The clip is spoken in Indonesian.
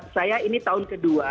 saya ini tahun kedua